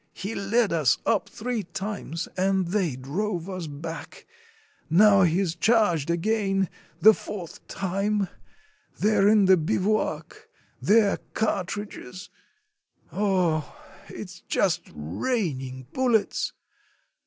"He led us up three times, and they drove us back. Now he's charged again ... the fourth time. ... They 're in the bivouac ... their cart ridges. ... Oh ... it's just raining bullets!